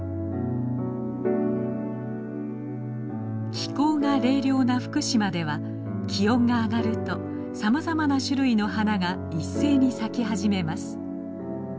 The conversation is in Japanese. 気候が冷涼な福島では気温が上がるとさまざまな種類の花が一斉に咲き始めます。